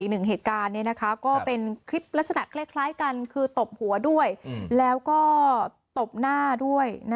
อีกหนึ่งเหตุการณ์ก็เป็นคลิปลักษณะคล้ายกันคือตบหัวด้วยแล้วก็ตบหน้าด้วย